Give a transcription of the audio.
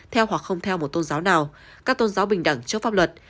theo hoặc không theo một tôn giáo nào các tôn giáo bình đẳng trước pháp luật